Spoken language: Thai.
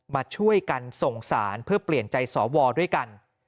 มาช่วยกันส่งสารเพื่อเปลี่ยนใจสวด้วยกัน